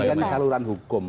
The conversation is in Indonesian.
ini kan saluran hukum